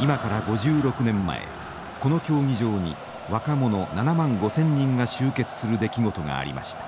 今から５６年前この競技場に若者７万５，０００人が集結する出来事がありました。